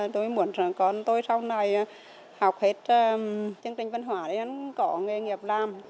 tôi muốn con tôi sau này học hết chương trình văn hóa để có nghề nghiệp làm